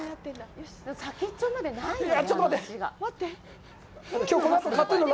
先っちょまでないの？